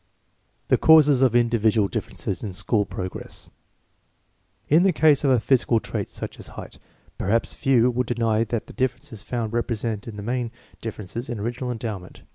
The causes of individual differences in school prog ress. In the case of a physical trait such as height, perhaps few would deny that the differences found represent in the main differences in original endow ment.